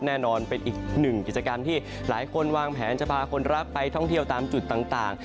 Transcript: แน่นอนเป็นอีกหนึ่งกิจกรรมที่หลายคนวางแผนจะพาคนรักไปท่องเที่ยวตามจุดต่าง